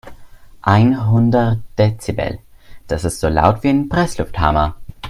Einhundert Dezibel, das ist so laut wie ein Presslufthammer.